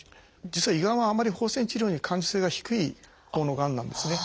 実は胃がんはあんまり放射線治療には感受性が低いほうのがんなんですね。